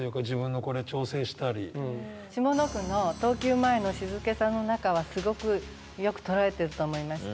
下の句の「投球前の静けさの中」はすごくよく捉えてると思いました。